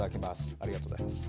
ありがとうございます。